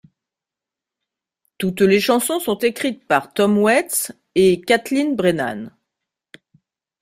Toutes les chansons sont écrites par Tom Waits et Kathleen Brennan.